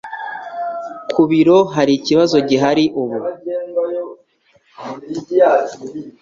Ku biro hari ikibazo gihari ubu